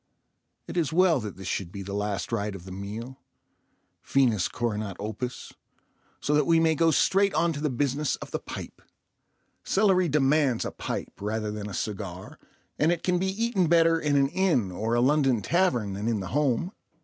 It is well that this should be the last rite of the meal—finis coronat opus—so that we may go straight on to the business of the pipe. Celery demands a pipe rather than a cigar, and it can be eaten better in an inn or a London tavern than in the home.